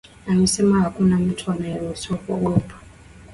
amesema hakuna mtu anayeruhusiwa kuogopa